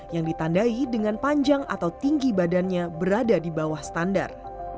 yang ditandai dengan panjang atau tinggi badannya berada di bawah standar